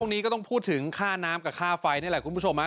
นี้ก็ต้องพูดถึงค่าน้ำกับค่าไฟนี่แหละคุณผู้ชมฮะ